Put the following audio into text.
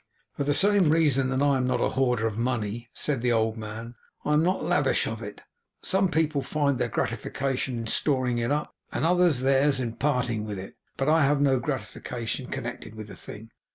'For the same reason that I am not a hoarder of money,' said the old man, 'I am not lavish of it. Some people find their gratification in storing it up; and others theirs in parting with it; but I have no gratification connected with the thing.